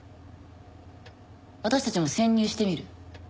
私たちも潜入してみる？